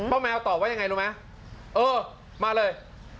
แมวตอบว่ายังไงรู้ไหมเออมาเลย